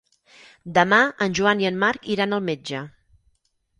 Demà en Joan i en Marc iran al metge.